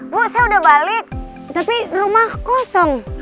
bu saya udah balik tapi rumah kosong